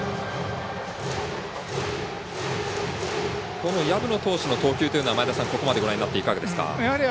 この薮野投手の投球というのはここまでご覧になっていかがですか？